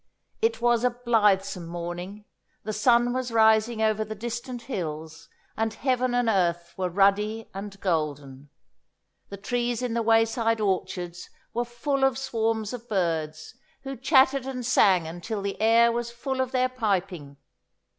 It was a blithesome morning. The sun was rising over the distant hills, and heaven and earth were ruddy and golden. The trees in the wayside orchards were full of swarms of birds, who chattered and sang until the air was full of their piping.